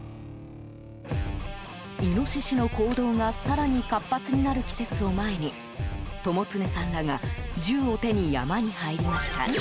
イノシシの行動が更に活発になる季節を前に友常さんらが銃を手に山に入りました。